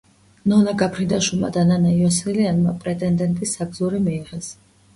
ნონა გაფრინდაშვილმა და ნანა იოსელიანმა პრეტენდენტის საგზური მიიღეს.